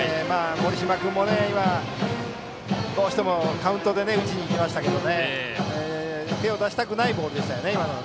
盛島君も、今どうしてもカウントで打ちに行きましたけどね手を出したくないボールでした。